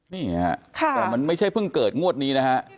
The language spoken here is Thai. นี่ฮะแต่มันไม่ใช่เพิ่งเกิดงวดนี้นะฮะ